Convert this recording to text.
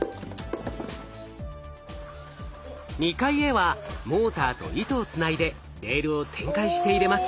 ２階へはモーターと糸をつないでレールを展開して入れます。